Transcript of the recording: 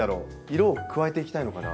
色を加えていきたいのかな。